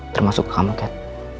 termasuk ke kamu kat